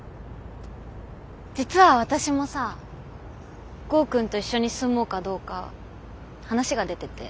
実は私もさ剛くんと一緒に住もうかどうか話が出てて。